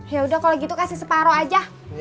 ya udah kalau gitu kasih separoh aja